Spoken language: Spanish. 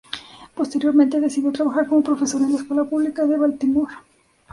Posteriormente decidió trabajar como profesor en la escuela pública de Baltimore.